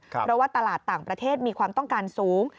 เพราะว่าตลาดต่างประเทศมีความต้องการสูง